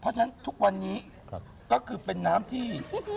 เพราะฉะนั้นทุกวันนี้ก็คือเป็นน้ำที่